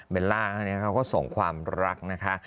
เบลล่าเขาก็ส่งความรักนะคะ